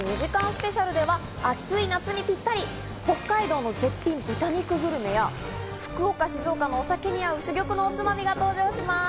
スペシャルでは、暑い夏にぴったり北海道の絶品豚肉グルメや、福岡、静岡のお酒に合う珠玉のおつまみが登場します。